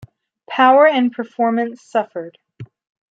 Power and performance suffered.